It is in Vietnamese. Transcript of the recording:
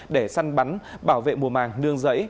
để săn bắn bảo vệ mùa màng nương giấy